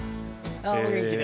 お元気で？